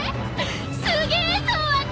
すげえぞ私！